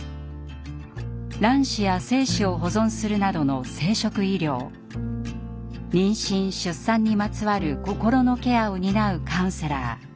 卵子や精子を保存するなどの生殖医療妊娠・出産にまつわる心のケアを担うカウンセラー。